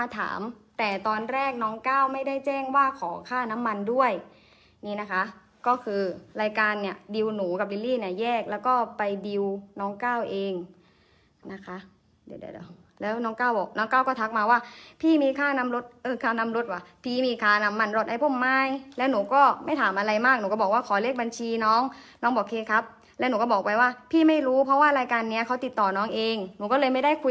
ถามแต่ตอนแรกน้องก้าวไม่ได้แจ้งว่าขอค่าน้ำมันด้วยนี่นะคะก็คือรายการเนี่ยดิวหนูกับลิลลี่เนี่ยแยกแล้วก็ไปดิวน้องก้าวเองนะคะเดี๋ยวเดี๋ยวเดี๋ยวแล้วน้องก้าวบอกน้องก้าก็ทักมาว่าพี่มีค่าน้ำรถเออค่าน้ำรถว่ะพี่มีค่าน้ำมันรถไอ้พวกมายแล้วหนูก็ไม่ถามอะไรมากหนูก็บอกว่าขอเลขบัญชีน้องน้องบ